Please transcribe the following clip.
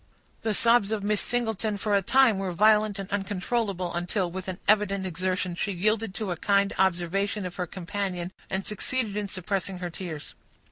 The sobs of Miss Singleton for a time were violent and uncontrollable, until, with an evident exertion, she yielded to a kind observation of her companion, and succeeded in suppressing her tears.